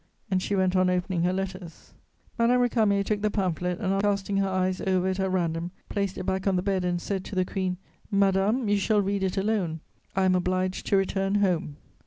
And she went on opening her letters. Madame Récamier took the pamphlet and, after casting her eyes over it at random, placed it back on the bed and said to the Queen: "Madame, you shall read it alone, I am obliged to return home."